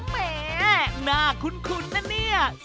แหมหน้าคุ้นนะเนี่ย